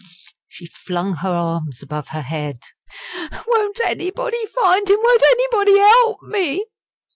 she flung her arms above her head. "Won't anybody find him? won't anybody help me?"